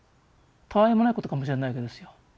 たあいもないことかもしれないわけですよ。